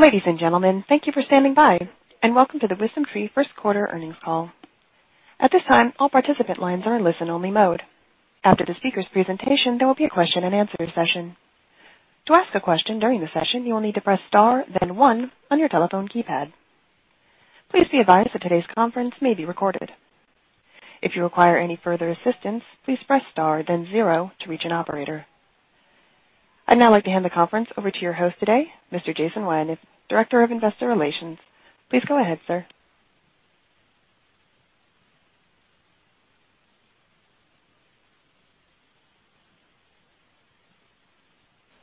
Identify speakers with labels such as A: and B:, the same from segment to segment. A: Ladies and gentlemen, thank you for standing by, and welcome to the WisdomTree first quarter earnings call. At this time, all participant lines are in listen only mode. After the speaker's presentation, there will be a question and answer session. To ask a question during the session, you will need to press star then one on your telephone keypad. Please be advised that today's conference may be recorded. If you require any further assistance, please press star then zero to reach an operator. I'd now like to hand the conference over to your host today, Mr. Jason Weyeneth, Director of Investor Relations. Please go ahead, sir.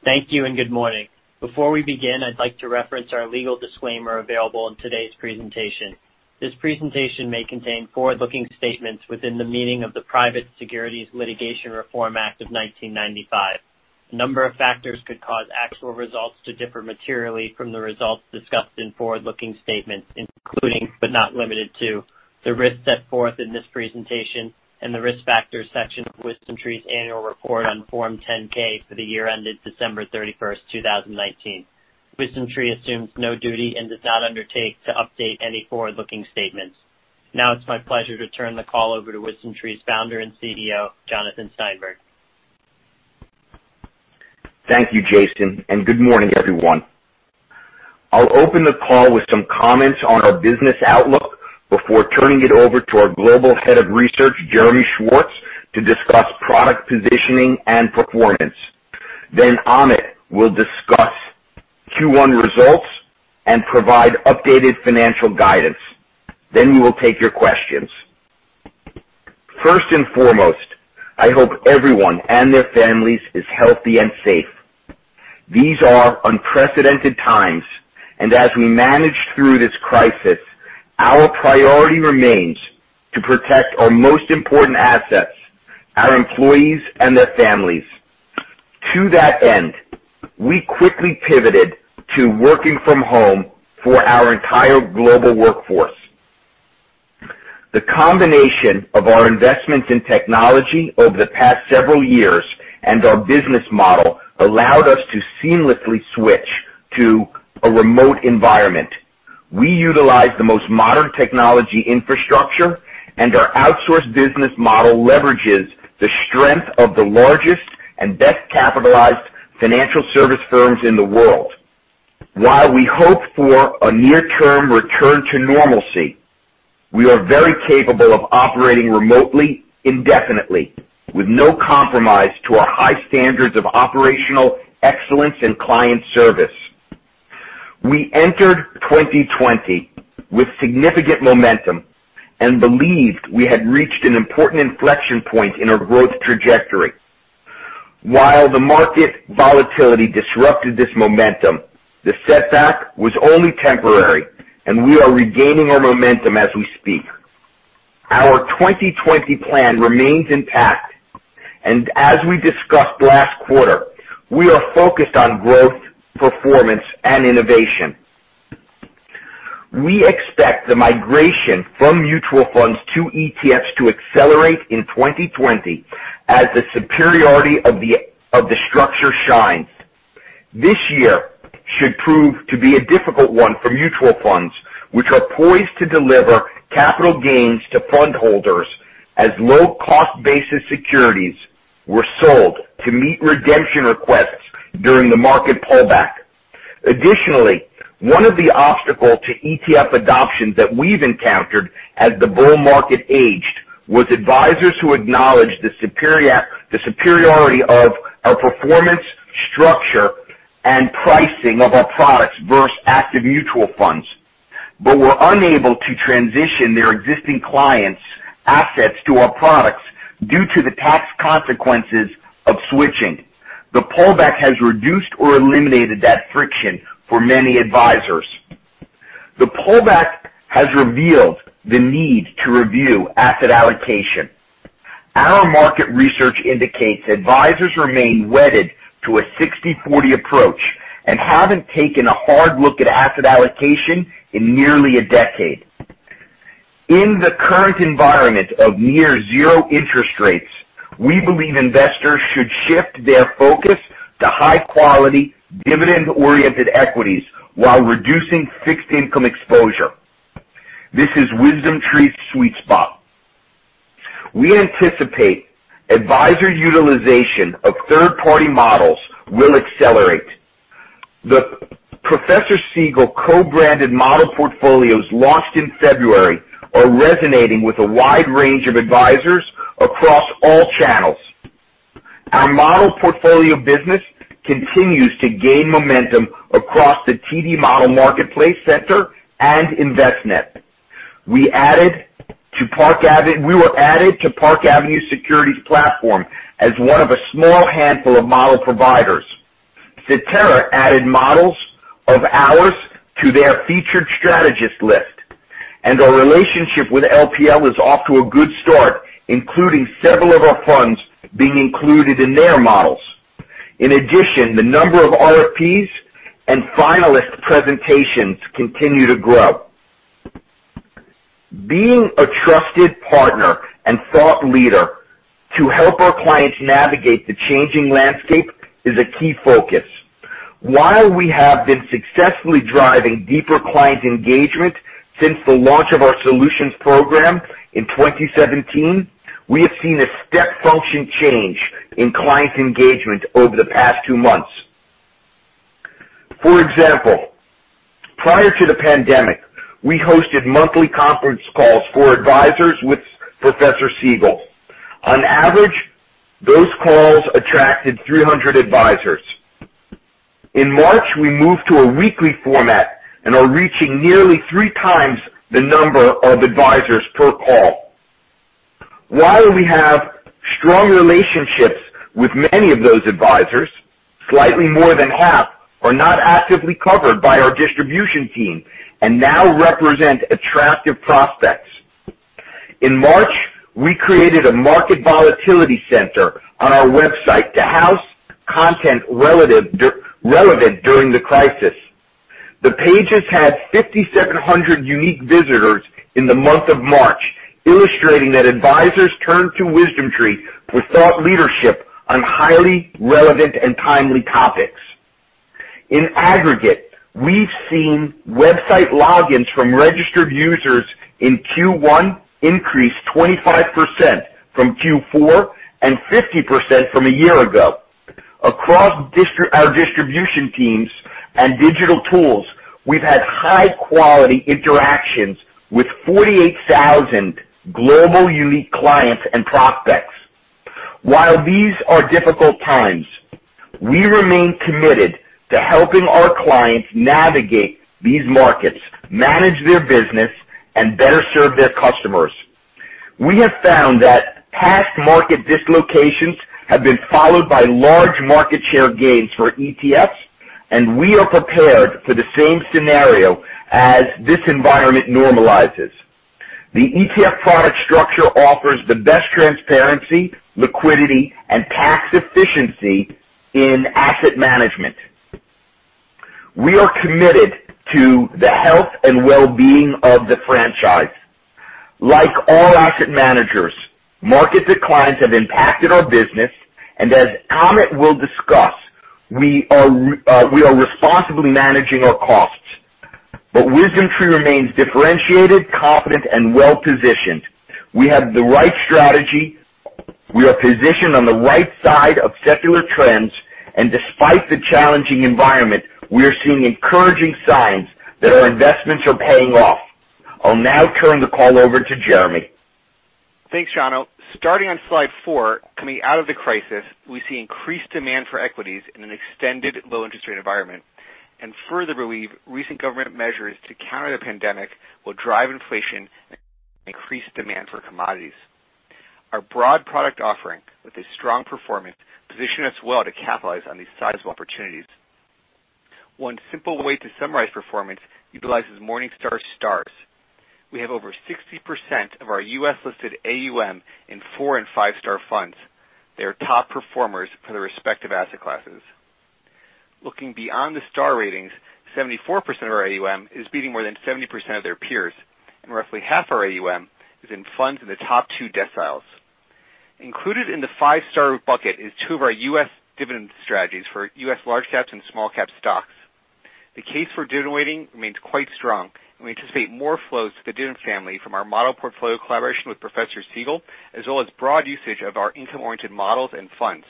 B: Thank you. Good morning. Before we begin, I'd like to reference our legal disclaimer available in today's presentation. This presentation may contain forward-looking statements within the meaning of the Private Securities Litigation Reform Act of 1995. A number of factors could cause actual results to differ materially from the results discussed in forward-looking statements, including, but not limited to, the risks set forth in this presentation and the Risk Factors section of WisdomTree's annual report on Form 10-K for the year ended December 31st, 2019. WisdomTree assumes no duty and does not undertake to update any forward-looking statements. It's my pleasure to turn the call over to WisdomTree's Founder and CEO, Jonathan Steinberg.
C: Thank you, Jason, and good morning, everyone. I'll open the call with some comments on our business outlook before turning it over to our Global Head of Research, Jeremy Schwartz, to discuss product positioning and performance. Amit will discuss Q1 results and provide updated financial guidance. We will take your questions. First and foremost, I hope everyone and their families is healthy and safe. These are unprecedented times, and as we manage through this crisis, our priority remains to protect our most important assets, our employees and their families. To that end, we quickly pivoted to working from home for our entire global workforce. The combination of our investments in technology over the past several years and our business model allowed us to seamlessly switch to a remote environment. We utilize the most modern technology infrastructure, and our outsourced business model leverages the strength of the largest and best capitalized financial service firms in the world. While we hope for a near-term return to normalcy, we are very capable of operating remotely indefinitely, with no compromise to our high standards of operational excellence and client service. We entered 2020 with significant momentum and believed we had reached an important inflection point in our growth trajectory. While the market volatility disrupted this momentum, the setback was only temporary, and we are regaining our momentum as we speak. Our 2020 plan remains intact, and as we discussed last quarter, we are focused on growth, performance, and innovation. We expect the migration from mutual funds to ETFs to accelerate in 2020 as the superiority of the structure shines. This year should prove to be a difficult one for mutual funds, which are poised to deliver capital gains to fund holders as low cost basis securities were sold to meet redemption requests during the market pullback. One of the obstacles to ETF adoption that we've encountered as the bull market aged was advisors who acknowledge the superiority of our performance, structure, and pricing of our products versus active mutual funds, but were unable to transition their existing clients' assets to our products due to the tax consequences of switching. The pullback has reduced or eliminated that friction for many advisors. The pullback has revealed the need to review asset allocation. Our market research indicates advisors remain wedded to a 60/40 approach and haven't taken a hard look at asset allocation in nearly a decade. In the current environment of near zero interest rates, we believe investors should shift their focus to high-quality, dividend-oriented equities while reducing fixed income exposure. This is WisdomTree's sweet spot. We anticipate advisor utilization of third-party models will accelerate. The Professor Siegel co-branded model portfolios launched in February are resonating with a wide range of advisors across all channels. Our model portfolio business continues to gain momentum across the TD Ameritrade Model Market Center and Envestnet. We were added to Park Avenue Securities platform as one of a small handful of model providers. Cetera added models of ours to their featured strategist list, and our relationship with LPL is off to a good start, including several of our funds being included in their models. In addition, the number of RFPs and finalist presentations continue to grow. Being a trusted partner and thought leader to help our clients navigate the changing landscape is a key focus. While we have been successfully driving deeper client engagement since the launch of our solutions program in 2017, we have seen a step function change in client engagement over the past two months. For example, prior to the pandemic, we hosted monthly conference calls for advisors with Professor Siegel. On average, those calls attracted 300 advisors. In March, we moved to a weekly format and are reaching nearly three times the number of advisors per call. While we have strong relationships with many of those advisors, slightly more than half are not actively covered by our distribution team and now represent attractive prospects. In March, we created a market volatility center on our website to house content relevant during the crisis. The pages had 5,700 unique visitors in the month of March, illustrating that advisors turn to WisdomTree for thought leadership on highly relevant and timely topics. In aggregate, we've seen website logins from registered users in Q1 increase 25% from Q4 and 50% from a year ago. Across our distribution teams and digital tools, we've had high quality interactions with 48,000 global unique clients and prospects. While these are difficult times, we remain committed to helping our clients navigate these markets, manage their business, and better serve their customers. We have found that past market dislocations have been followed by large market share gains for ETFs, and we are prepared for the same scenario as this environment normalizes. The ETF product structure offers the best transparency, liquidity, and tax efficiency in asset management. We are committed to the health and well-being of the franchise. Like all asset managers, market declines have impacted our business. As Amit will discuss, we are responsibly managing our costs. WisdomTree remains differentiated, confident, and well-positioned. We have the right strategy, we are positioned on the right side of secular trends. Despite the challenging environment, we are seeing encouraging signs that our investments are paying off. I'll now turn the call over to Jeremy.
D: Thanks, Jono. Starting on slide four, coming out of the crisis, we see increased demand for equities in an extended low interest rate environment, and further believe recent government measures to counter the pandemic will drive inflation and increase demand for commodities. Our broad product offering with a strong performance position us well to capitalize on these sizable opportunities. One simple way to summarize performance utilizes Morningstar Stars. We have over 60% of our U.S. listed AUM in 4 and 5-star funds. They are top performers for their respective asset classes. Looking beyond the star ratings, 74% of our AUM is beating more than 70% of their peers, and roughly half our AUM is in funds in the top two deciles. Included in the 5-star bucket is two of our U.S. dividend strategies for U.S. large caps and small cap stocks. The case for dividend weighting remains quite strong, and we anticipate more flows to the dividend family from our model portfolio collaboration with Professor Siegel, as well as broad usage of our income oriented models and funds.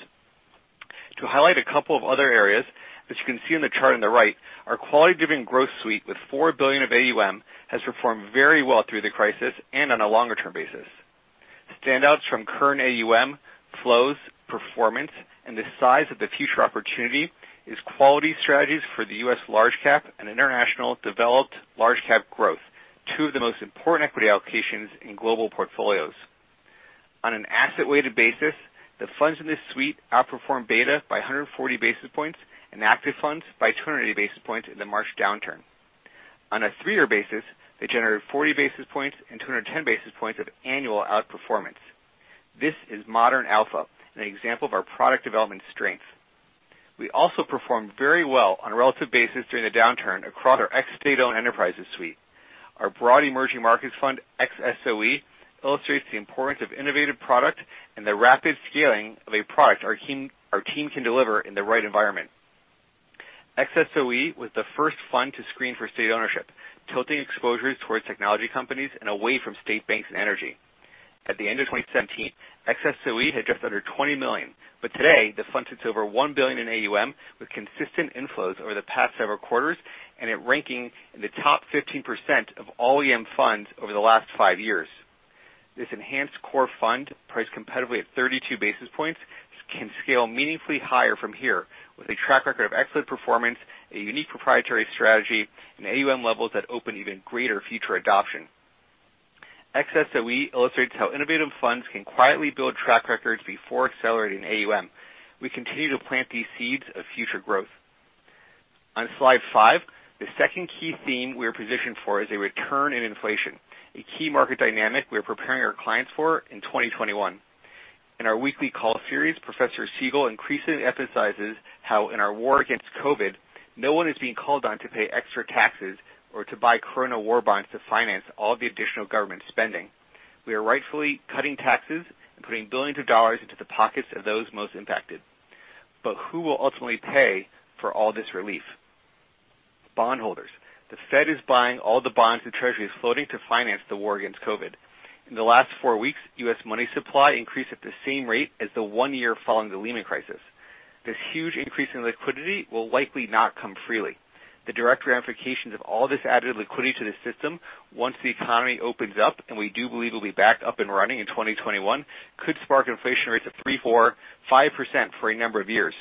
D: To highlight a couple of other areas, as you can see in the chart on the right, our quality dividend growth suite with $4 billion of AUM, has performed very well through the crisis and on a longer term basis. Standouts from current AUM, flows, performance, and the size of the future opportunity is quality strategies for the U.S. large cap and international developed large cap growth, two of the most important equity allocations in global portfolios. On an asset-weighted basis, the funds in this suite outperformed beta by 140 basis points and active funds by 280 basis points in the March downturn. On a three-year basis, they generated 40 basis points and 210 basis points of annual outperformance. This is Modern Alpha and an example of our product development strength. We also performed very well on a relative basis during the downturn across our Ex-State-Owned Enterprises suite. Our broad emerging markets fund, XSOE, illustrates the importance of innovative product and the rapid scaling of a product our team can deliver in the right environment. XSOE was the first fund to screen for state ownership, tilting exposures towards technology companies and away from state banks and energy. At the end of 2017, XSOE had just under $20 million. Today the fund sits over $1 billion in AUM with consistent inflows over the past several quarters, and it ranking in the top 15% of all EM funds over the last five years. This enhanced core fund, priced competitively at 32 basis points, can scale meaningfully higher from here with a track record of excellent performance, a unique proprietary strategy, and AUM levels that open even greater future adoption. XSOE illustrates how innovative funds can quietly build track records before accelerating AUM. We continue to plant these seeds of future growth. On slide five, the second key theme we are positioned for is a return in inflation, a key market dynamic we are preparing our clients for in 2021. In our weekly call series, Professor Siegel increasingly emphasizes how in our war against COVID, no one is being called on to pay extra taxes or to buy Corona war bonds to finance all the additional government spending. We are rightfully cutting taxes and putting billions of dollars into the pockets of those most impacted. Who will ultimately pay for all this relief? Bondholders. The Fed is buying all the bonds the Treasury is floating to finance the war against COVID. In the last four weeks, U.S. money supply increased at the same rate as the one year following the Lehman crisis. This huge increase in liquidity will likely not come freely. The direct ramifications of all this added liquidity to the system, once the economy opens up, and we do believe it'll be back up and running in 2021, could spark inflation rates of 3%, 4%, 5% for a number of years.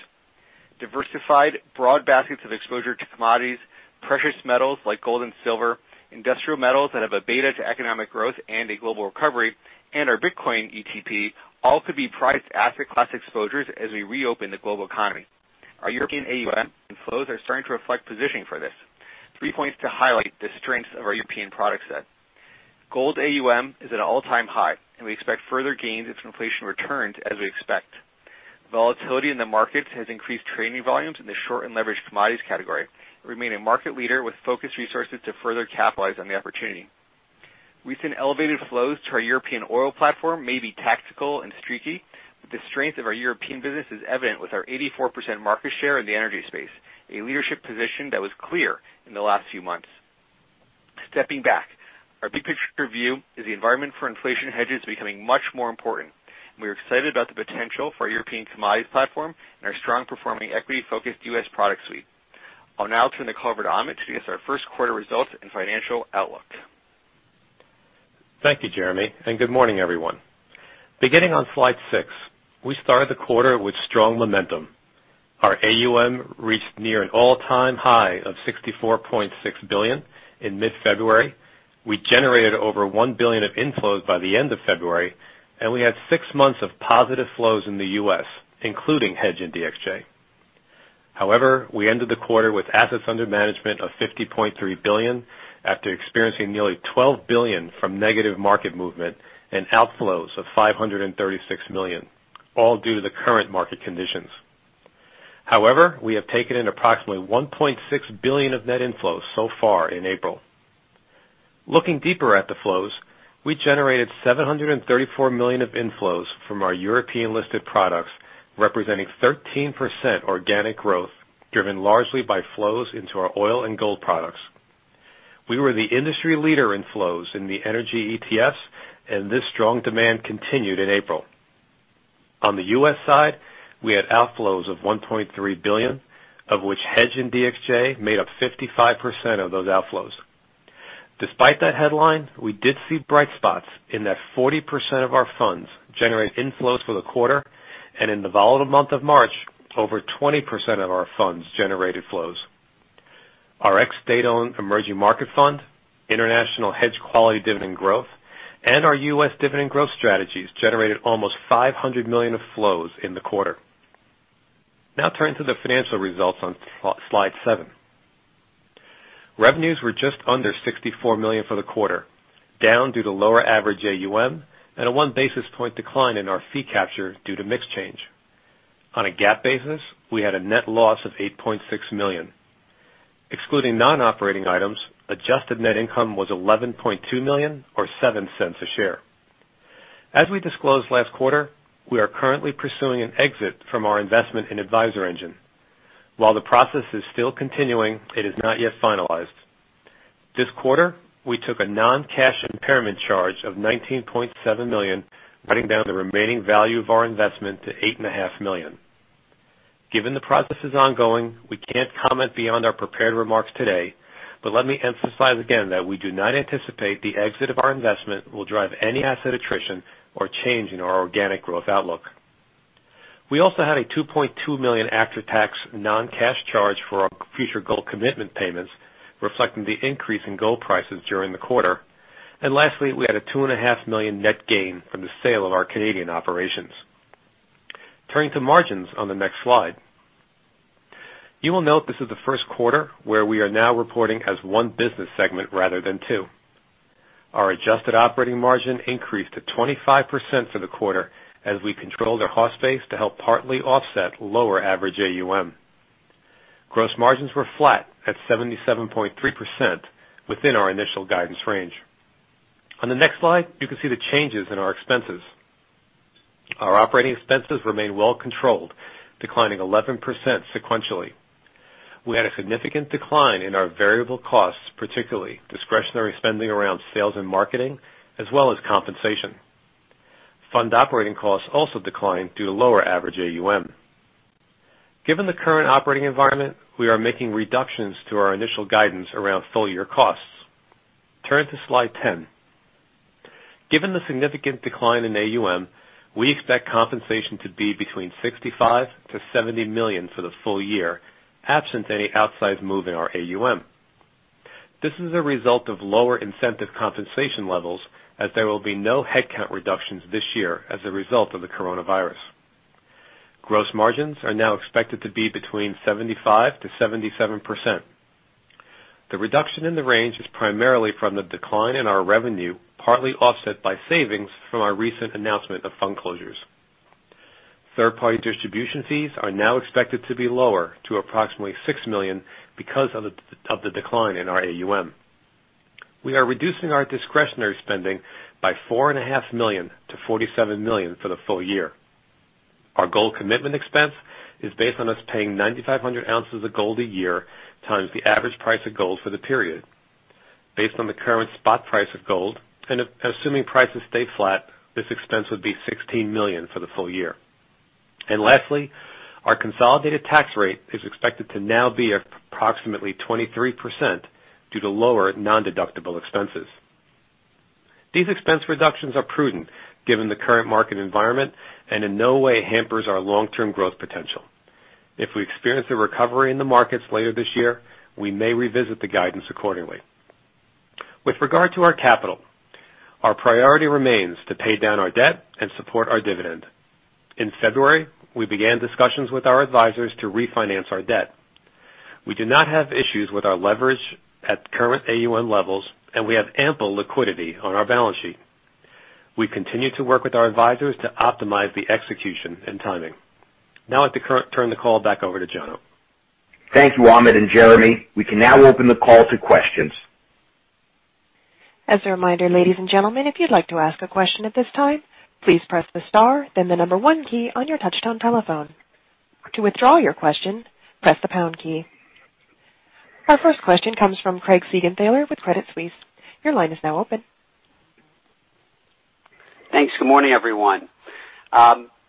D: Diversified broad baskets of exposure to commodities, precious metals like gold and silver, industrial metals that have a beta to economic growth and a global recovery, and our Bitcoin ETP, all could be priced asset class exposures as we reopen the global economy. Our European AUM and flows are starting to reflect positioning for this. Three points to highlight the strengths of our European product set. Gold AUM is at an all-time high, and we expect further gains if inflation returns, as we expect. Volatility in the markets has increased trading volumes in the short and leveraged commodities category. We remain a market leader with focused resources to further capitalize on the opportunity. Recent elevated flows to our European oil platform may be tactical and streaky, but the strength of our European business is evident with our 84% market share in the energy space, a leadership position that was clear in the last few months. Stepping back, our big-picture view is the environment for inflation hedges becoming much more important. We are excited about the potential for our European commodities platform and our strong-performing equity-focused U.S. product suite. I'll now turn the call to Amit to give us our first quarter results and financial outlook.
E: Thank you, Jeremy, and good morning, everyone. Beginning on slide six, we started the quarter with strong momentum. Our AUM reached near an all-time high of $64.6 billion in mid-February. We generated over $1 billion of inflows by the end of February, and we had six months of positive flows in the U.S., including HEDJ and DXJ. We ended the quarter with assets under management of $50.3 billion after experiencing nearly $12 billion from negative market movement and outflows of $536 million, all due to the current market conditions. We have taken in approximately $1.6 billion of net inflows so far in April. Looking deeper at the flows, we generated $734 million of inflows from our European-listed products, representing 13% organic growth, driven largely by flows into our oil and gold products. We were the industry leader in flows in the energy ETFs, and this strong demand continued in April. On the U.S. side, we had outflows of $1.3 billion, of which HEDJ and DXJ made up 55% of those outflows. Despite that headline, we did see bright spots in that 40% of our funds generate inflows for the quarter, and in the volatile month of March, over 20% of our funds generated flows. Our Ex-State-Owned Emerging Market Fund, International Hedged Quality Dividend Growth, and our U.S. Dividend Growth strategies generated almost $500 million of flows in the quarter. Now turning to the financial results on slide seven. Revenues were just under $64 million for the quarter, down due to lower average AUM and a one basis point decline in our fee capture due to mix change. On a GAAP basis, we had a net loss of $8.6 million. Excluding non-operating items, adjusted net income was $11.2 million or $0.07 a share. As we disclosed last quarter, we are currently pursuing an exit from our investment in AdvisorEngine. While the process is still continuing, it is not yet finalized. This quarter, we took a non-cash impairment charge of $19.7 million, writing down the remaining value of our investment to $8.5 million. Given the process is ongoing, we can't comment beyond our prepared remarks today, let me emphasize again that we do not anticipate the exit of our investment will drive any asset attrition or change in our organic growth outlook. We also had a $2.2 million after-tax non-cash charge for our future gold commitment payments, reflecting the increase in gold prices during the quarter. Lastly, we had a $2.5 million net gain from the sale of our Canadian operations. Turning to margins on the next slide. You will note this is the first quarter where we are now reporting as one business segment rather than two. Our adjusted operating margin increased to 25% for the quarter as we controlled our cost base to help partly offset lower average AUM. Gross margins were flat at 77.3%, within our initial guidance range. On the next slide, you can see the changes in our expenses. Our operating expenses remain well controlled, declining 11% sequentially. We had a significant decline in our variable costs, particularly discretionary spending around sales and marketing, as well as compensation. Fund operating costs also declined due to lower average AUM. Given the current operating environment, we are making reductions to our initial guidance around full-year costs. Turn to slide 10. Given the significant decline in AUM, we expect compensation to be between $65 million-$70 million for the full year, absent any outsized move in our AUM. This is a result of lower incentive compensation levels, as there will be no headcount reductions this year as a result of the coronavirus. Gross margins are now expected to be between 75%-77%. The reduction in the range is primarily from the decline in our revenue, partly offset by savings from our recent announcement of fund closures. Third-party distribution fees are now expected to be lower to approximately $6 million because of the decline in our AUM. We are reducing our discretionary spending by $4.5 million to $47 million for the full year. Our gold commitment expense is based on us paying 9,500 oz of gold a year times the average price of gold for the period. Based on the current spot price of gold, assuming prices stay flat, this expense would be $16 million for the full year. Lastly, our consolidated tax rate is expected to now be approximately 23% due to lower nondeductible expenses. These expense reductions are prudent given the current market environment and in no way hampers our long-term growth potential. If we experience a recovery in the markets later this year, we may revisit the guidance accordingly. With regard to our capital, our priority remains to pay down our debt and support our dividend. In February, we began discussions with our advisors to refinance our debt. We do not have issues with our leverage at the current AUM levels, and we have ample liquidity on our balance sheet. We continue to work with our advisors to optimize the execution and timing. Now I'd like to turn the call back over to Jono.
C: Thank you, Amit and Jeremy. We can now open the call to questions.
A: As a reminder, ladies and gentlemen, if you'd like to ask a question at this time, please press the star, then the number one key on your touch-tone telephone. To withdraw your question, press the pound key. Our first question comes from Craig Siegenthaler with Credit Suisse. Your line is now open.
F: Thanks. Good morning, everyone.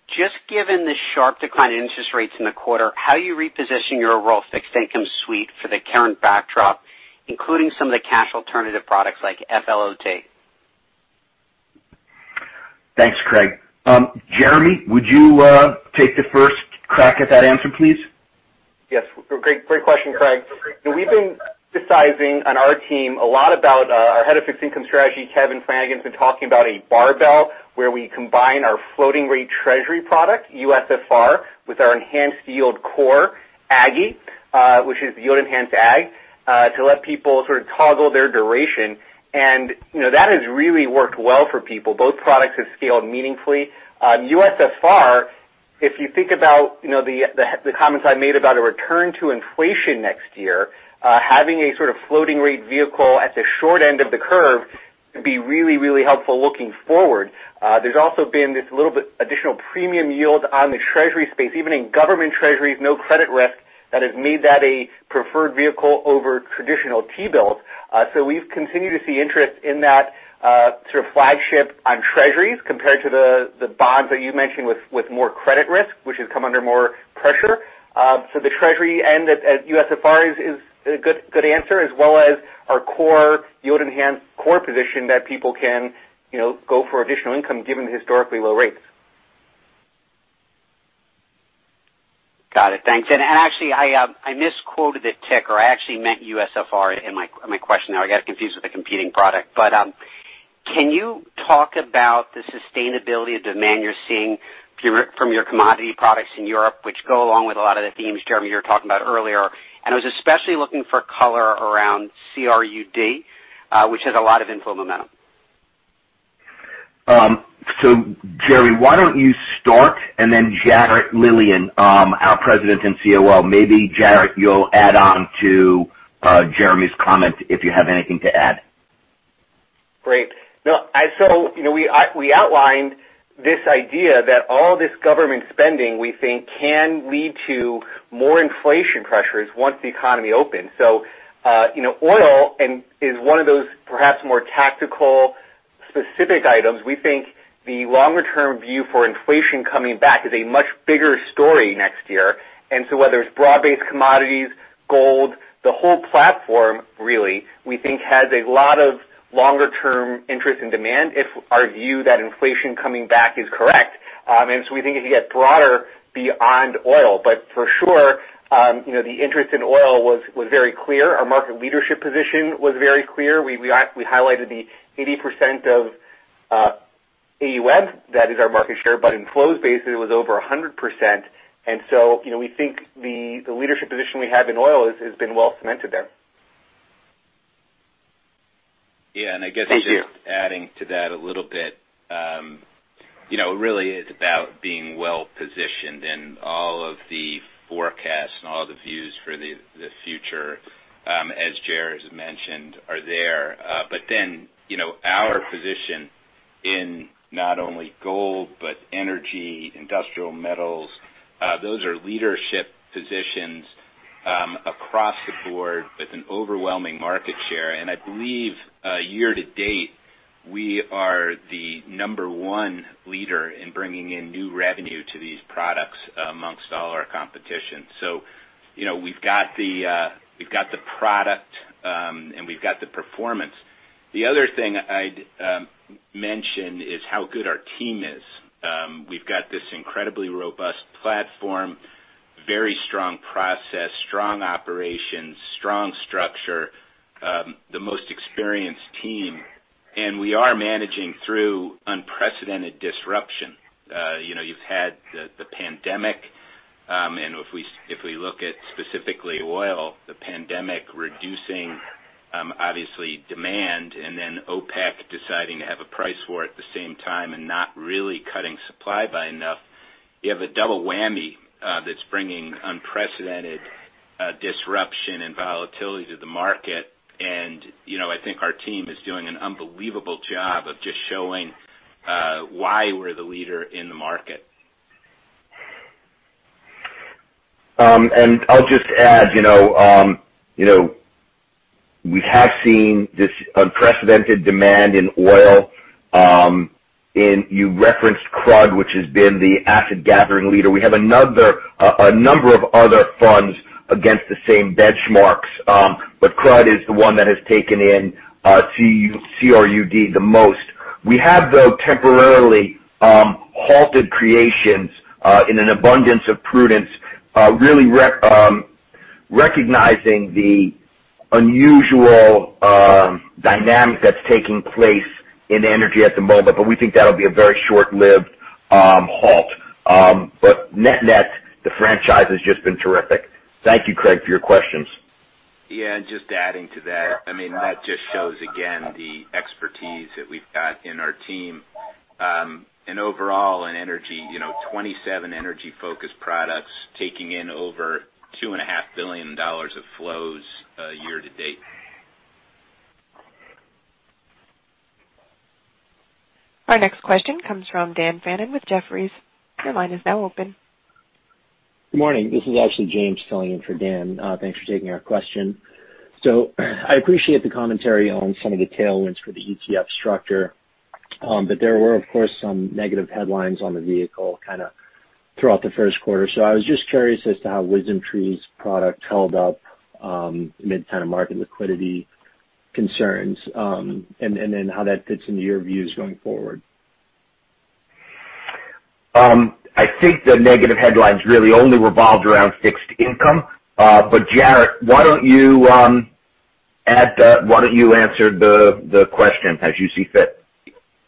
F: Just given the sharp decline in interest rates in the quarter, how are you repositioning your overall fixed income suite for the current backdrop, including some of the cash alternative products like FLOT?
C: Thanks, Craig. Jeremy, would you take the first crack at that answer, please?
D: Yes. Great question, Craig. We've been emphasizing on our team a lot about our head of fixed income strategy, Kevin Flanagan's been talking about a barbell where we combine our floating rate Treasury product, USFR, with our enhanced yield core, AGGY, which is the yield enhanced AGG, to let people sort of toggle their duration. That has really worked well for people. Both products have scaled meaningfully. USFR, if you think about the comments I made about a return to inflation next year, having a sort of floating rate vehicle at the short end of the curve could be really helpful looking forward. There's also been this little bit additional premium yield on the Treasury space, even in government Treasuries, no credit risk, that has made that a preferred vehicle over traditional T-bills. We've continued to see interest in that sort of flagship on Treasuries compared to the bonds that you mentioned with more credit risk, which has come under more pressure. The Treasury end at USFR is a good answer, as well as our core yield-enhanced core position that people can go for additional income given the historically low rates.
F: Got it. Thanks. Actually, I misquoted the ticker. I actually meant USFR in my question there. I got confused with the competing product. Can you talk about the sustainability of demand you're seeing from your commodity products in Europe, which go along with a lot of the themes, Jeremy, you were talking about earlier, and I was especially looking for color around CRUD, which has a lot of inflow momentum.
C: Jeremy, why don't you start? Jarrett Lilien, our President and COO, maybe Jarrett, you'll add on to Jeremy's comment if you have anything to add.
D: Great. We outlined this idea that all this government spending, we think, can lead to more inflation pressures once the economy opens. Oil is one of those perhaps more tactical specific items. We think the longer-term view for inflation coming back is a much bigger story next year. Whether it's broad-based commodities, gold, the whole platform really we think has a lot of longer-term interest and demand if our view that inflation coming back is correct. We think it could get broader beyond oil. For sure the interest in oil was very clear. Our market leadership position was very clear. We highlighted the 80% of AUM that is our market share, but in flows-based, it was over 100%. We think the leadership position we have in oil has been well cemented there.
F: Thank you.
G: Yeah, I guess just adding to that a little bit. Really it's about being well-positioned, and all of the forecasts and all the views for the future, as Jerry has mentioned, are there. Our position in not only gold, but energy, industrial metals, those are leadership positions across the board with an overwhelming market share. I believe year to date, we are the number one leader in bringing in new revenue to these products amongst all our competition. We've got the product, and we've got the performance. The other thing I'd mention is how good our team is. We've got this incredibly robust platform, very strong process, strong operations, strong structure, the most experienced team, and we are managing through unprecedented disruption. You've had the pandemic. If we look at specifically oil, the pandemic reducing, obviously, demand, and then OPEC deciding to have a price war at the same time and not really cutting supply by enough, you have a double whammy that's bringing unprecedented disruption and volatility to the market. I think our team is doing an unbelievable job of just showing why we're the leader in the market.
C: I'll just add, we have seen this unprecedented demand in oil. You referenced CRUD, which has been the asset gathering leader. We have a number of other funds against the same benchmarks, but CRUD is the one that has taken in C-R-U-D the most. We have, though, temporarily halted creations in an abundance of prudence, really recognizing the unusual dynamic that's taking place in energy at the moment. We think that'll be a very short-lived halt. Net net, the franchise has just been terrific. Thank you, Craig, for your questions.
G: Yeah, just adding to that just shows, again, the expertise that we've got in our team. Overall, in energy, 27 energy-focused products taking in over $2.5 billion of flows year to date.
A: Our next question comes from Dan Fannon with Jefferies. Your line is now open.
H: Good morning. This is actually James filling in for Dan. Thanks for taking our question. I appreciate the commentary on some of the tailwinds for the ETF structure, but there were, of course, some negative headlines on the vehicle kind of throughout the first quarter. I was just curious as to how WisdomTree's product held up amid kind of market liquidity concerns, and then how that fits into your views going forward.
C: I think the negative headlines really only revolved around fixed income. Jarrett, why don't you answer the question as you see fit?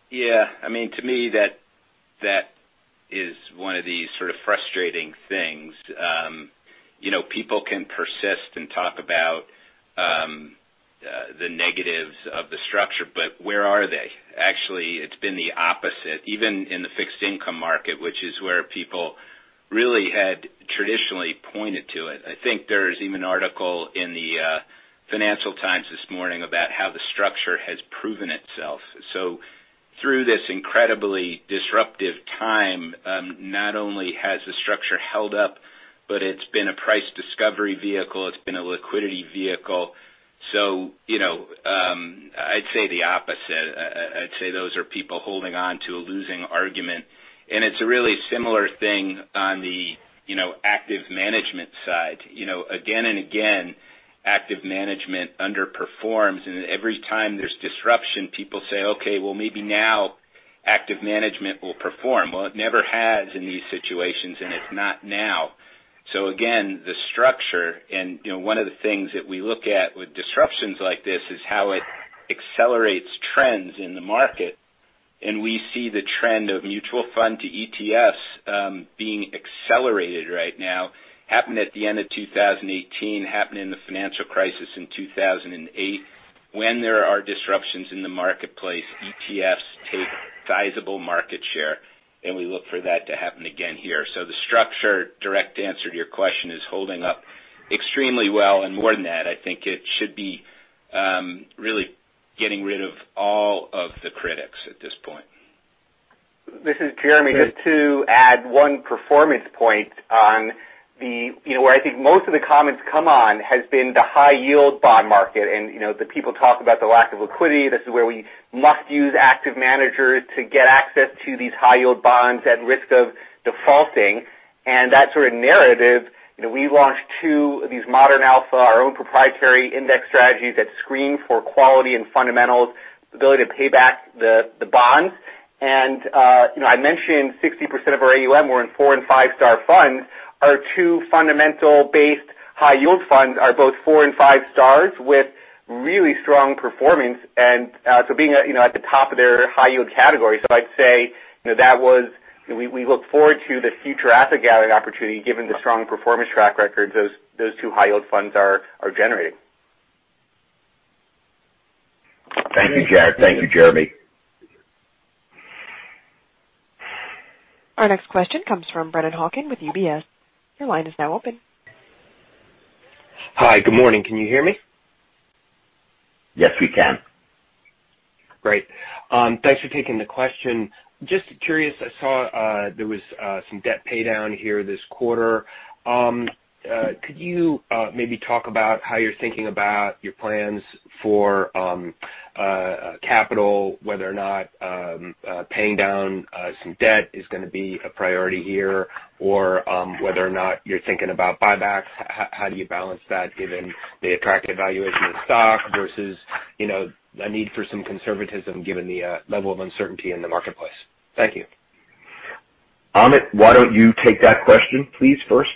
G: Yeah. To me, that is one of the sort of frustrating things. People can persist and talk about the negatives of the structure, but where are they? Actually, it's been the opposite, even in the fixed-income market, which is where people really had traditionally pointed to it. I think there's even an article in the "Financial Times" this morning about how the structure has proven itself. Through this incredibly disruptive time, not only has the structure held up, but it's been a price discovery vehicle. It's been a liquidity vehicle. I'd say the opposite. I'd say those are people holding on to a losing argument. It's a really similar thing on the active management side. Again and again, active management underperforms, and every time there's disruption, people say, "Okay, well maybe now active management will perform." Well, it never has in these situations, and it's not now. Again, the structure, and one of the things that we look at with disruptions like this, is how it accelerates trends in the market. We see the trend of mutual fund to ETFs being accelerated right now. Happened at the end of 2018, happened in the financial crisis in 2008. When there are disruptions in the marketplace, ETFs take sizable market share, and we look for that to happen again here. The structure, direct answer to your question, is holding up extremely well, and more than that, I think it should be really getting rid of all of the critics at this point.
D: This is Jeremy. Just to add one performance point on where I think most of the comments come on has been the high-yield bond market. The people talk about the lack of liquidity. This is where we must use active managers to get access to these high-yield bonds at risk of defaulting. That sort of narrative, we launched two of these Modern Alpha, our own proprietary index strategies that screen for quality and fundamentals, ability to pay back the bonds. I mentioned 60% of our AUM were in four and five-star funds. Our two fundamental-based high-yield funds are both four and five stars with really strong performance, and so being at the top of their high-yield category. I'd say, we look forward to the future asset-gathering opportunity, given the strong performance track record those two high-yield funds are generating.
H: Thank you, Jarrett. Thank you, Jeremy.
A: Our next question comes from Brennan Hawken with UBS. Your line is now open.
I: Hi. Good morning. Can you hear me?
C: Yes, we can.
I: Great. Thanks for taking the question. Just curious, I saw there was some debt paydown here this quarter. Could you maybe talk about how you're thinking about your plans for capital, whether or not paying down some debt is going to be a priority here, or whether or not you're thinking about buybacks? How do you balance that given the attractive valuation of stock versus a need for some conservatism given the level of uncertainty in the marketplace? Thank you.
C: Amit, why don't you take that question, please, first?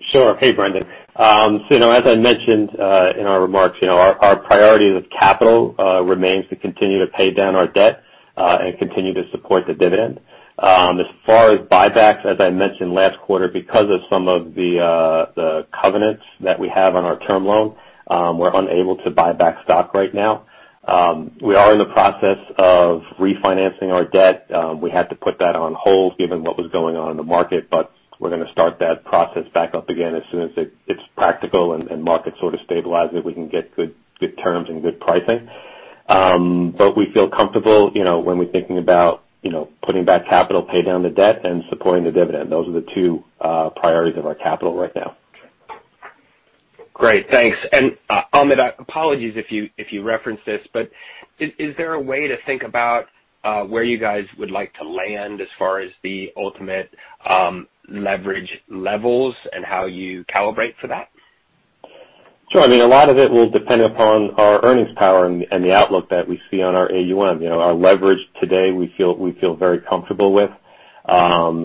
E: Sure. Hey, Brennan. As I mentioned in our remarks, our priority as a capital remains to continue to pay down our debt, and continue to support the dividend. As far as buybacks, as I mentioned last quarter, because of some of the covenants that we have on our term loan, we're unable to buy back stock right now. We are in the process of refinancing our debt. We had to put that on hold given what was going on in the market, We're going to start that process back up again as soon as it's practical and markets sort of stabilize, if we can get good terms and good pricing. We feel comfortable when we're thinking about putting back capital, pay down the debt and supporting the dividend. Those are the two priorities of our capital right now.
I: Great, thanks. Amit, apologies if you referenced this, but is there a way to think about where you guys would like to land as far as the ultimate leverage levels and how you calibrate for that?
E: Sure. I mean, a lot of it will depend upon our earnings power and the outlook that we see on our AUM. Our leverage today, we feel very comfortable with. The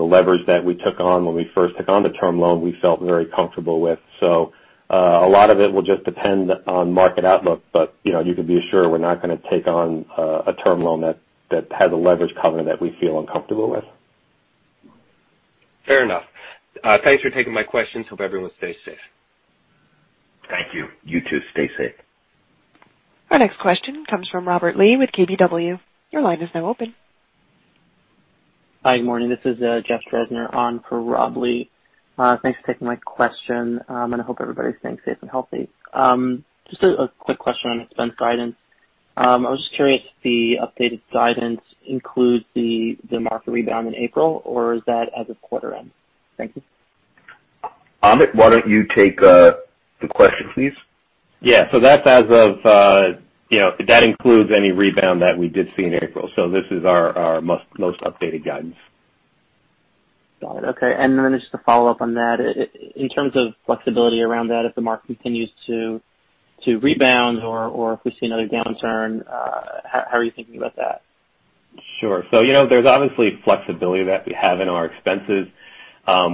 E: leverage that we took on when we first took on the term loan, we felt very comfortable with. A lot of it will just depend on market outlook. You can be assured we're not going to take on a term loan that has a leverage covenant that we feel uncomfortable with.
I: Fair enough. Thanks for taking my questions. Hope everyone stays safe.
C: Thank you. You too, stay safe.
A: Our next question comes from Robert Lee with KBW. Your line is now open.
J: Hi, good morning. This is Jeff Drezner on for Rob Lee. Thanks for taking my question, and I hope everybody's staying safe and healthy. Just a quick question on expense guidance. I was just curious if the updated guidance includes the market rebound in April, or is that as of quarter end? Thank you.
C: Amit, why don't you take the question, please?
E: Yeah. That includes any rebound that we did see in April. This is our most updated guidance.
J: Got it. Okay. Just to follow up on that, in terms of flexibility around that, if the market continues to rebound or if we see another downturn, how are you thinking about that?
E: Sure. There's obviously flexibility that we have in our expenses.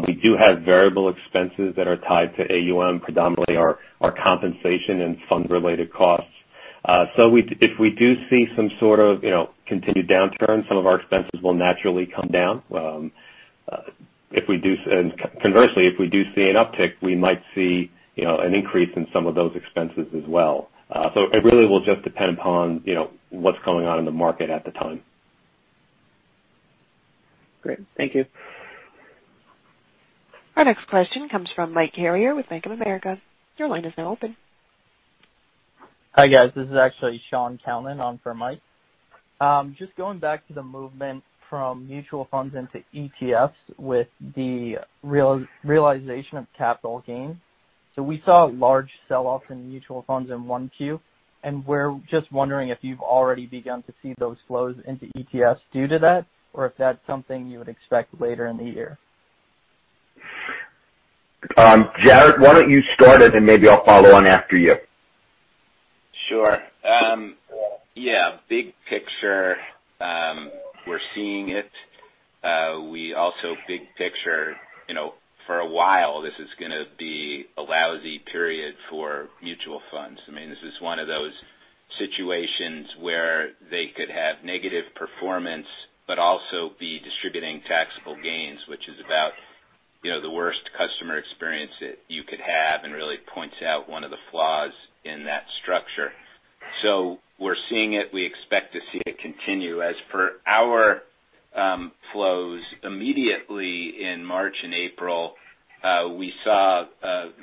E: We do have variable expenses that are tied to AUM, predominantly our compensation and fund-related costs. If we do see some sort of continued downturn, some of our expenses will naturally come down. Conversely, if we do see an uptick, we might see an increase in some of those expenses as well. It really will just depend upon what's going on in the market at the time.
J: Great. Thank you.
A: Our next question comes from Mike Carrier with Bank of America. Your line is now open.
K: Hi, guys. This is actually Shaun Calnan on for Mike. Just going back to the movement from mutual funds into ETFs with the realization of capital gains. We saw a large sell-off in mutual funds in 1Q, and we're just wondering if you've already begun to see those flows into ETFs due to that, or if that's something you would expect later in the year.
C: Jarrett, why don't you start it, and maybe I'll follow on after you.
G: Sure. Yeah, big picture, we're seeing it. We also big picture, for a while, this is going to be a lousy period for mutual funds. I mean, this is one of those situations where they could have negative performance but also be distributing taxable gains, which is about the worst customer experience that you could have and really points out one of the flaws in that structure. We're seeing it. We expect to see it continue as per our flows immediately in March and April, we saw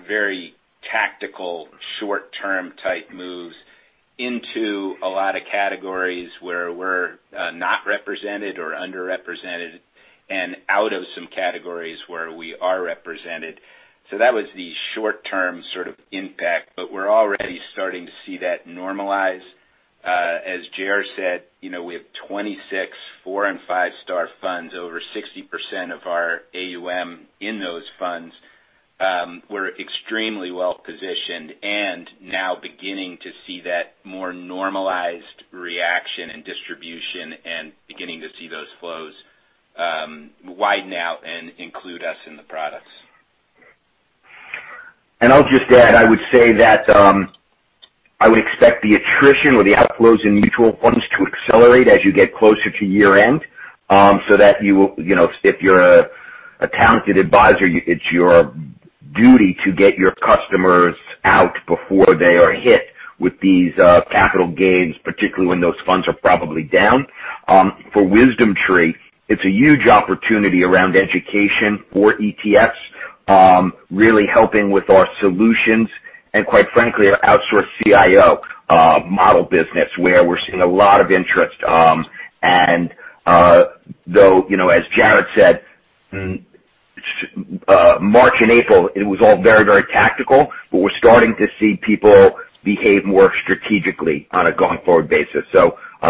G: very tactical short-term type moves into a lot of categories where we're not represented or underrepresented, and out of some categories where we are represented. That was the short-term sort of impact. We're already starting to see that normalize as Jerry said, we have 26 4 and 5-star funds, over 60% of our AUM in those funds. We're extremely well-positioned and now beginning to see that more normalized reaction and distribution, and beginning to see those flows widen out and include us in the products.
C: I'll just add, I would say that I would expect the attrition or the outflows in mutual funds to accelerate as you get closer to year-end. If you're a talented advisor, it's your duty to get your customers out before they are hit with these capital gains, particularly when those funds are probably down. For WisdomTree, it's a huge opportunity around education for ETFs, really helping with our solutions and quite frankly, our outsourced CIO model business where we're seeing a lot of interest. Though, as Jarrett said, March and April, it was all very tactical, but we're starting to see people behave more strategically on a going-forward basis.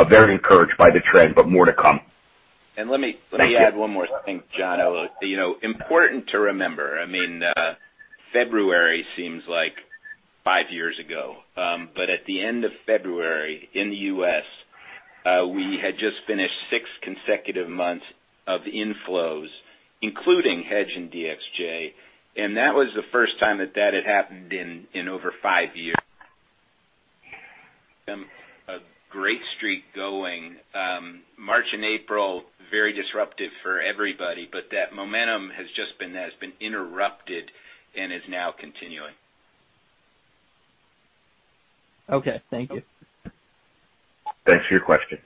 C: Very encouraged by the trend, but more to come.
G: And let me-
K: Thank you.
G: Let me add one more thing, Jono. Important to remember, I mean, February seems like five years ago. At the end of February in the U.S., we had just finished six consecutive months of inflows, including HEDJ and DXJ, and that was the first time that that had happened in over five years. A great streak going. March and April, very disruptive for everybody, but that momentum has just been interrupted and is now continuing.
K: Okay. Thank you.
C: Thanks for your question.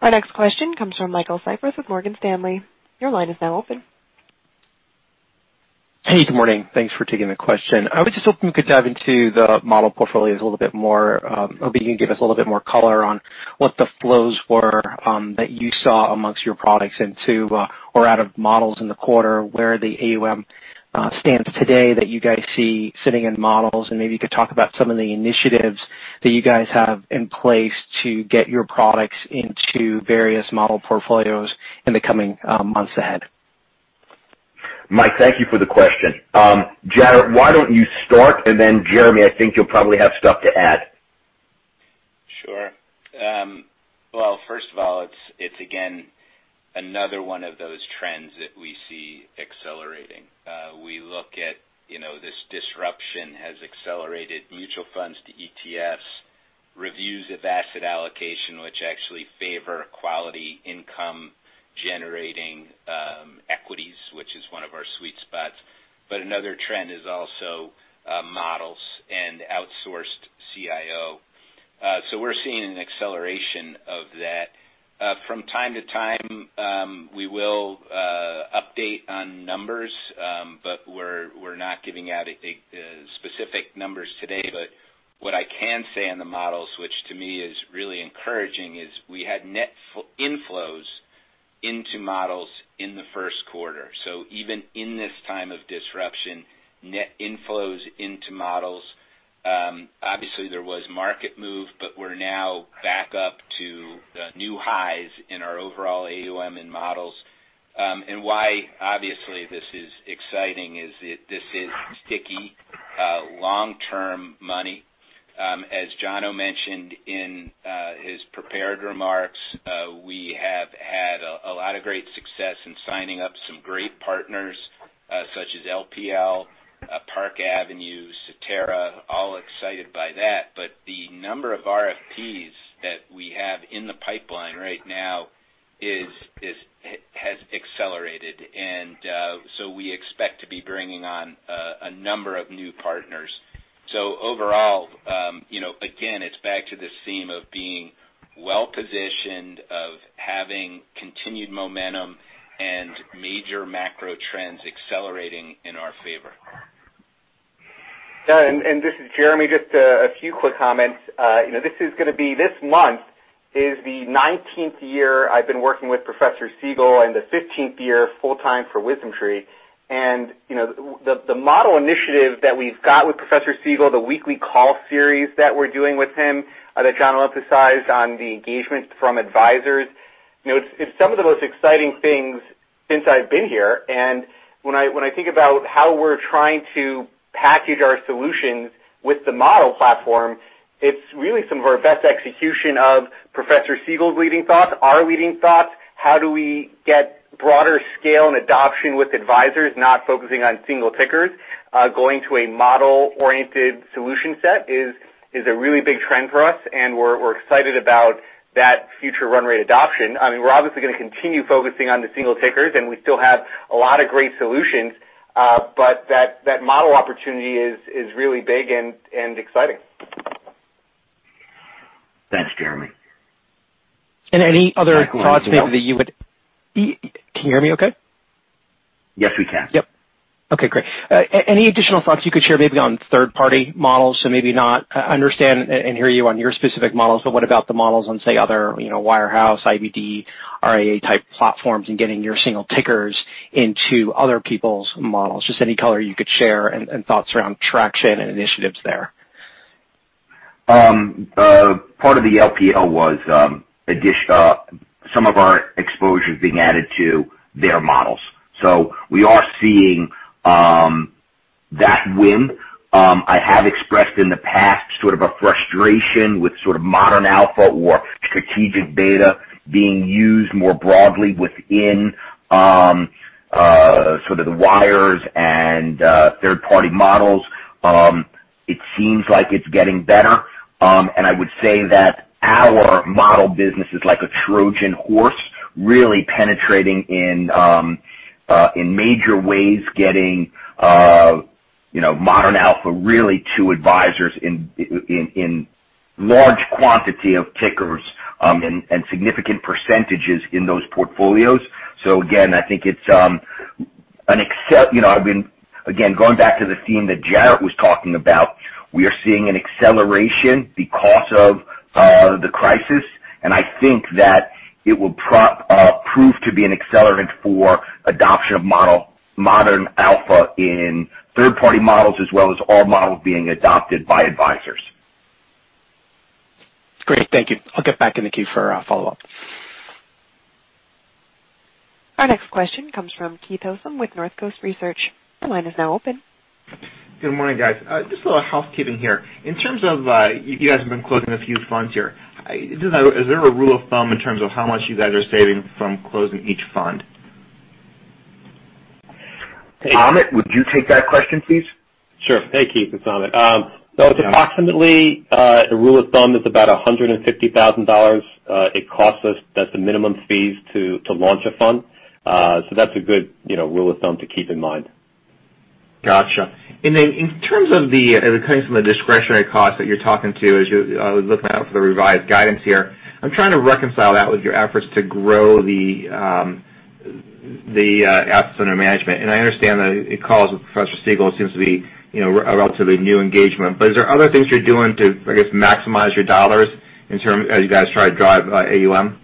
A: Our next question comes from Michael Cyprys with Morgan Stanley. Your line is now open.
L: Hey, good morning. Thanks for taking the question. I was just hoping we could dive into the model portfolios a little bit more. Maybe you can give us a little bit more color on what the flows were that you saw amongst your products into or out of models in the quarter, where the AUM stands today that you guys see sitting in models, and maybe you could talk about some of the initiatives that you guys have in place to get your products into various model portfolios in the coming months ahead.
C: Mike, thank you for the question. Jarrett, why don't you start, and then Jeremy, I think you'll probably have stuff to add.
G: Sure. Well, first of all, it's again, another one of those trends that we see accelerating. We look at this disruption has accelerated mutual funds to ETFs, reviews of asset allocation, which actually favor quality income-generating equities, which is one of our sweet spots. Another trend is also models and outsourced CIO. We're seeing an acceleration of that. From time to time, we will update on numbers, but we're not giving out specific numbers today. What I can say on the models, which to me is really encouraging, is we had net inflows into models in the first quarter. Even in this time of disruption, net inflows into models. Obviously, there was market move, but we're now back up to new highs in our overall AUM in models. Why, obviously, this is exciting is this is sticky, long-term money. As Jono mentioned in his prepared remarks, we have had a lot of great success in signing up some great partners, such as LPL, Park Avenue, Cetera, all excited by that. The number of RFPs that we have in the pipeline right now has accelerated, and so we expect to be bringing on a number of new partners. Overall again, it's back to this theme of being well-positioned, of having continued momentum, and major macro trends accelerating in our favor.
D: This is Jeremy. Just a few quick comments. This month is the 19th year I've been working with Professor Siegel and the 15th year full time for WisdomTree. The model initiative that we've got with Professor Siegel, the weekly call series that we're doing with him that Jono emphasized on the engagement from advisors. It's some of the most exciting things since I've been here. When I think about how we're trying to package our solutions with the model platform, it's really some of our best execution of Professor Siegel's leading thoughts, our leading thoughts. How do we get broader scale and adoption with advisors, not focusing on single tickers? Going to a model-oriented solution set is a really big trend for us, and we're excited about that future run rate adoption. We're obviously going to continue focusing on the single tickers, and we still have a lot of great solutions. That model opportunity is really big and exciting.
C: Thanks, Jeremy.
L: Any other thoughts maybe. Can you hear me okay?
C: Yes, we can.
L: Yep. Okay, great. Any additional thoughts you could share maybe on third-party models? I understand and hear you on your specific models, but what about the models on, say, other Wirehouse, IBD, RIA type platforms and getting your single tickers into other people's models? Just any color you could share and thoughts around traction and initiatives there.
C: Part of the LPL was some of our exposure is being added to their models. We are seeing that win. I have expressed in the past sort of a frustration with sort of Modern Alpha or strategic beta being used more broadly within sort of the wires and third-party models. It seems like it's getting better. I would say that our model business is like a Trojan horse, really penetrating in major ways, getting Modern Alpha really to advisors in large quantity of tickers and significant percentages in those portfolios. Again, going back to the theme that Jarrett was talking about, we are seeing an acceleration because of the crisis, and I think that it will prove to be an accelerant for adoption of Modern Alpha in third-party models as well as all models being adopted by advisors.
L: Great. Thank you. I'll get back in the queue for a follow-up.
A: Our next question comes from Keith Housum with Northcoast Research. Your line is now open.
M: Good morning, guys. Just a little housekeeping here. In terms of, you guys have been closing a few funds here. Is there a rule of thumb in terms of how much you guys are saving from closing each fund?
C: Amit, would you take that question, please?
E: Sure. Hey, Keith, it's Amit. Approximately, a rule of thumb is about $150,000. It costs us. That's the minimum fees to launch a fund. That's a good rule of thumb to keep in mind.
M: Got you. Then in terms of the, and it comes from the discretionary costs that you're talking to as you're looking out for the revised guidance here, I'm trying to reconcile that with your efforts to grow the assets under management. I understand that the calls with Professor Siegel seems to be a relatively new engagement. Is there other things you're doing to, I guess, maximize your dollars in term as you guys try to drive AUM?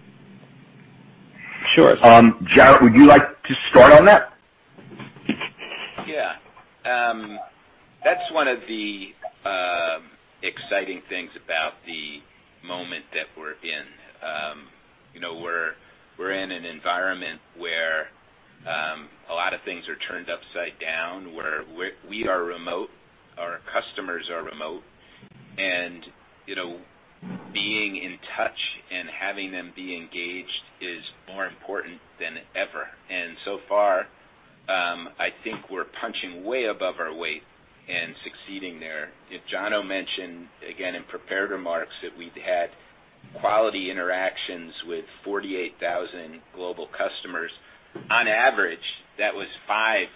C: Sure. Jarrett, would you like to start on that?
G: Yeah. That's one of the exciting things about the moment that we're in. We're in an environment where a lot of things are turned upside down, where we are remote, our customers are remote, and being in touch and having them be engaged is more important than ever. So far, I think we're punching way above our weight and succeeding there. If Jono mentioned, again, in prepared remarks that we'd had quality interactions with 48,000 global customers, on average, that was five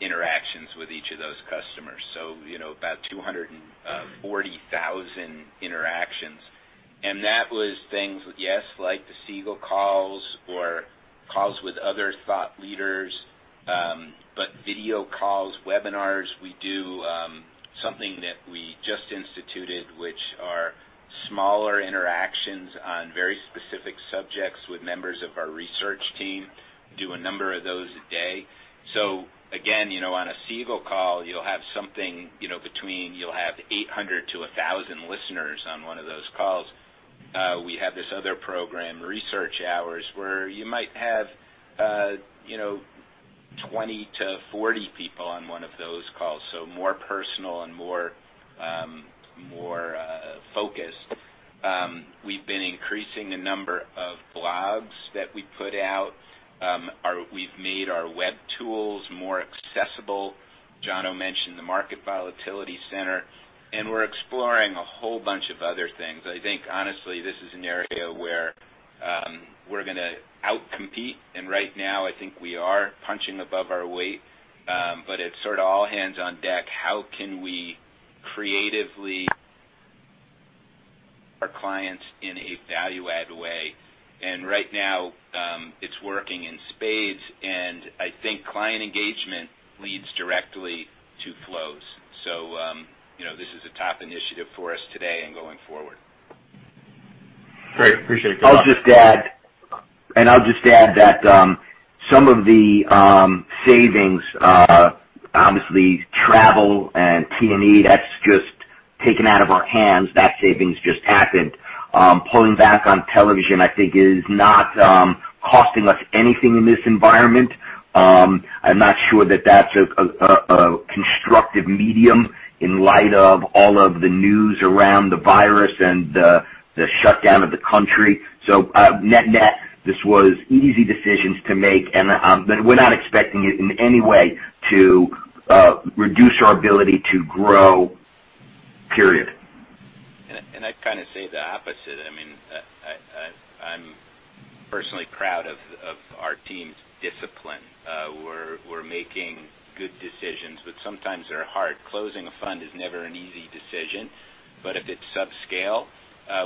G: interactions with each of those customers, so about 240,000 interactions. That was things, yes, like the Siegel calls or calls with other thought leaders, but video calls, webinars. We do something that we just instituted, which are smaller interactions on very specific subjects with members of our research team. Do a number of those a day. Again, on a Siegel call, you'll have something between 800-1,000 listeners on one of those calls. We have this other program, Office Hours, where you might have 20-40 people on one of those calls, so more personal and more focused. We've been increasing the number of blogs that we put out. We've made our web tools more accessible. Jono mentioned the market volatility center, and we're exploring a whole bunch of other things. I think, honestly, this is an area where we're going to out-compete, and right now I think we are punching above our weight. It's sort of all hands on deck. How can we creatively help our clients in a value-add way? Right now, it's working in spades, and I think client engagement leads directly to flows. This is a top initiative for us today and going forward.
M: Great. Appreciate the call.
C: I'll just add that some of the savings, obviously travel and T&E, that's just taken out of our hands. That savings just happened. Pulling back on television, I think is not costing us anything in this environment. I'm not sure that that's a constructive medium in light of all of the news around the virus and the shutdown of the country. Net, this was easy decisions to make, and we're not expecting it in any way to reduce our ability to grow, period.
G: I'd kind of say the opposite. I'm personally proud of our team's discipline. We're making good decisions, but sometimes they're hard. Closing a fund is never an easy decision, but if it's subscale,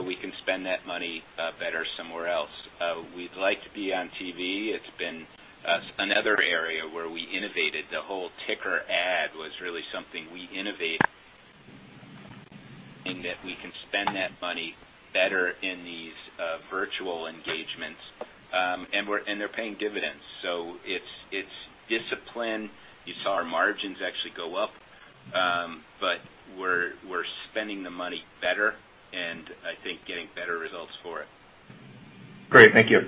G: we can spend that money better somewhere else. We'd like to be on TV. It's been another area where we innovated. The whole ticker ad was really something we innovated, and that we can spend that money better in these virtual engagements. They're paying dividends. It's discipline. You saw our margins actually go up, but we're spending the money better and I think getting better results for it.
M: Great. Thank you.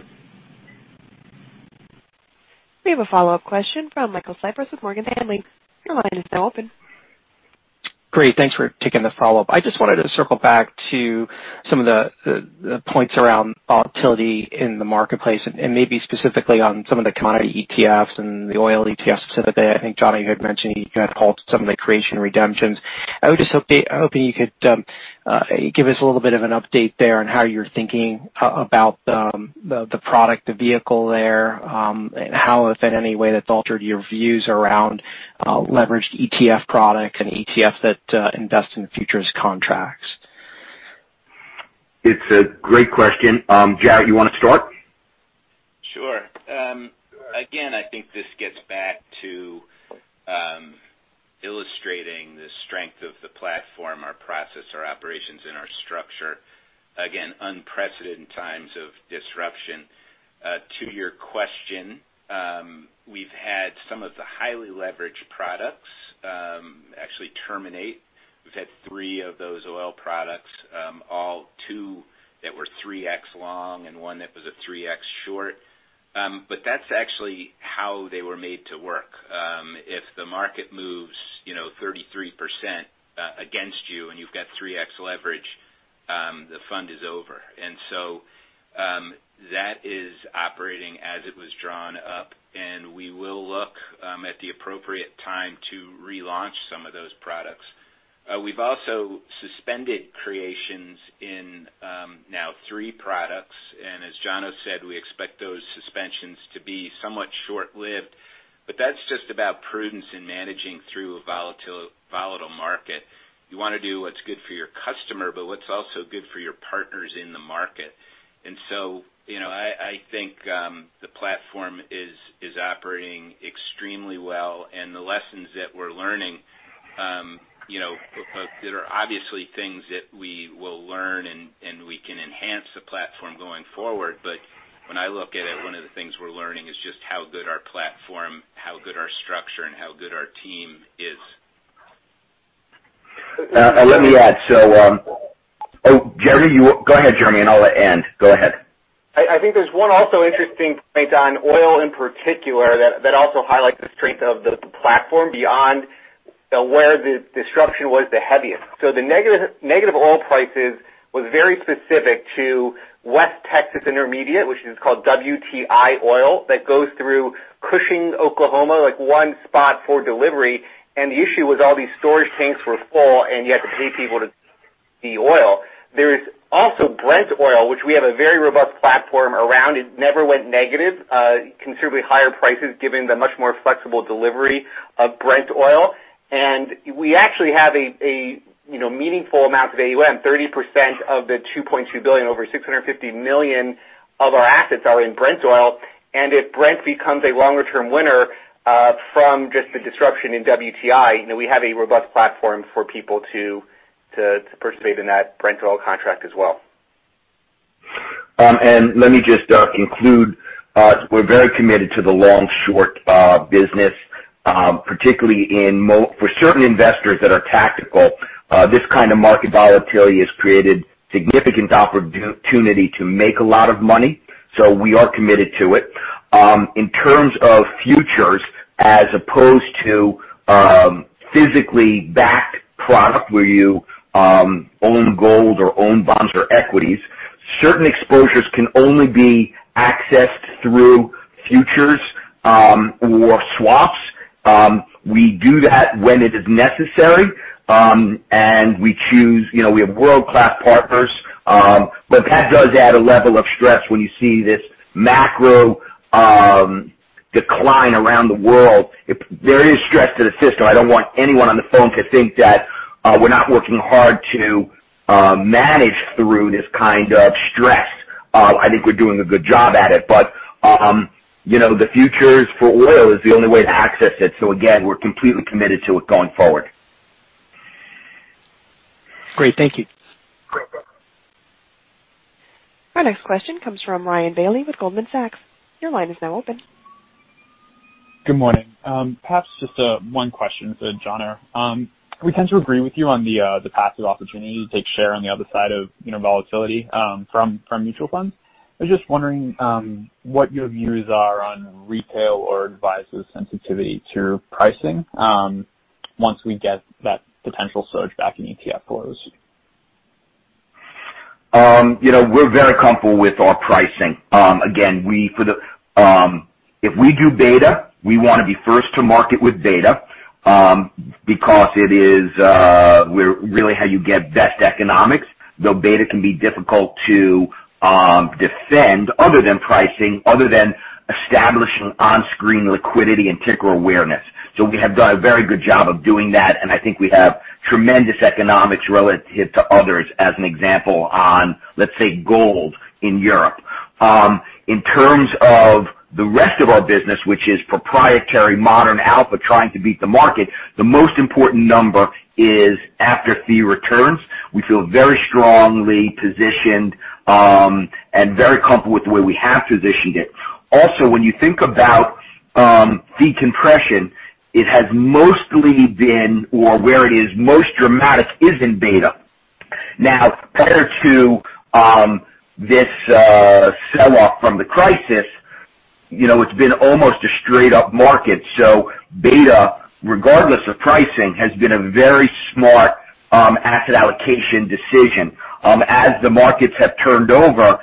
A: We have a follow-up question from Michael Cyprys with Morgan Stanley. Your line is now open.
L: Great. Thanks for taking the follow-up. I just wanted to circle back to some of the points around volatility in the marketplace, and maybe specifically on some of the commodity ETFs and the oil ETF specific. I think, Jono, you had mentioned you had called some of the creation redemptions. I was just hoping you could give us a little bit of an update there on how you're thinking about the product, the vehicle there, and how, if in any way, that's altered your views around leveraged ETF products and ETFs that invest in futures contracts.
C: It's a great question. Jarrett, you want to start?
G: Sure. Again, I think this gets back to illustrating the strength of the platform, our process, our operations, and our structure. Again, unprecedented times of disruption. To your question, we've had some of the highly leveraged products actually terminate. We've had three of those oil products, two that were 3x long and one that was a 3x short. That's actually how they were made to work. If the market moves 33% against you and you've got 3x leverage, the fund is over. That is operating as it was drawn up, and we will look at the appropriate time to relaunch some of those products. We've also suspended creations in now three products. As Jono has said, we expect those suspensions to be somewhat short-lived, but that's just about prudence in managing through a volatile market. You want to do what's good for your customer, what's also good for your partners in the market. I think the platform is operating extremely well, the lessons that we're learning, there are obviously things that we will learn, we can enhance the platform going forward. When I look at it, one of the things we're learning is just how good our platform, how good our structure, and how good our team is.
C: Let me add. Go ahead, Jeremy, and I'll end. Go ahead.
D: I think there's one also interesting point on oil in particular that also highlights the strength of the platform beyond where the disruption was the heaviest. The negative oil prices was very specific to West Texas Intermediate, which is called WTI oil, that goes through Cushing, Oklahoma, like one spot for delivery. The issue was all these storage tanks were full, and you had to pay people to take the oil. There is also Brent oil, which we have a very robust platform around. It never went negative. Considerably higher prices given the much more flexible delivery of Brent oil. We actually have a meaningful amount of AUM. 30% of the $2.2 billion, over $650 million of our assets are in Brent oil. If Brent becomes a longer-term winner from just the disruption in WTI, we have a robust platform for people to participate in that Brent oil contract as well.
C: Let me just include, we're very committed to the long-short business particularly for certain investors that are tactical. This kind of market volatility has created significant opportunity to make a lot of money, so we are committed to it. In terms of futures as opposed to physically backed product where you own gold or own bonds or equities, certain exposures can only be accessed through futures or swaps. We do that when it is necessary. We have world-class partners. That does add a level of stress when you see this macro decline around the world. There is stress to the system. I don't want anyone on the phone to think that we're not working hard to manage through this kind of stress. I think we're doing a good job at it. The futures for oil is the only way to access it. Again, we're completely committed to it going forward.
L: Great. Thank you.
A: Our next question comes from Ryan Bailey with Goldman Sachs. Your line is now open.
N: Good morning. Perhaps just one question for Jono. We tend to agree with you on the passive opportunity to take share on the other side of volatility from mutual funds. I was just wondering what your views are on retail or advisor sensitivity to pricing once we get that potential surge back in ETF flows.
C: We're very comfortable with our pricing. Again, if we do beta, we want to be first to market with beta because it is really how you get best economics, though beta can be difficult to defend other than pricing, other than establishing on-screen liquidity and ticker awareness. We have done a very good job of doing that, and I think we have tremendous economics relative to others, as an example on, let's say, gold in Europe. In terms of the rest of our business, which is proprietary Modern Alpha trying to beat the market, the most important number is after fee returns. We feel very strongly positioned and very comfortable with the way we have positioned it. When you think about decompression, it has mostly been, or where it is most dramatic is in beta. Prior to this sell-off from the crisis, it's been almost a straight up market. Beta, regardless of pricing, has been a very smart asset allocation decision. As the markets have turned over,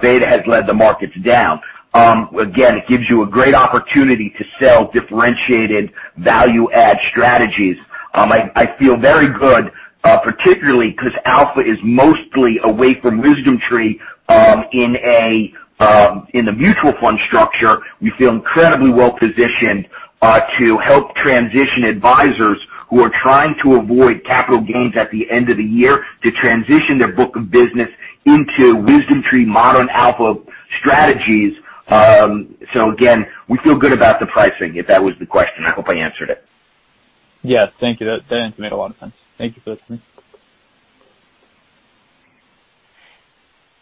C: beta has led the markets down. It gives you a great opportunity to sell differentiated value add strategies. I feel very good, particularly because alpha is mostly away from WisdomTree in a mutual fund structure. We feel incredibly well-positioned to help transition advisors who are trying to avoid capital gains at the end of the year to transition their book of business into WisdomTree Modern Alpha strategies. We feel good about the pricing, if that was the question. I hope I answered it.
N: Yeah. Thank you. That answer made a lot of sense. Thank you for the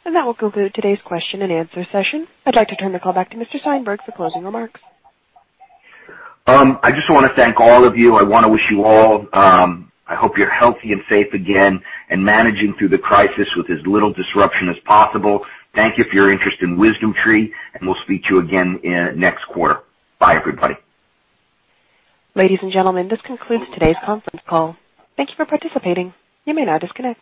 N: answer.
A: That will conclude today's question and answer session. I'd like to turn the call back to Mr. Steinberg for closing remarks.
C: I just want to thank all of you. I hope you're healthy and safe again and managing through the crisis with as little disruption as possible. Thank you for your interest in WisdomTree, and we'll speak to you again next quarter. Bye, everybody.
A: Ladies and gentlemen, this concludes today's conference call. Thank you for participating. You may now disconnect.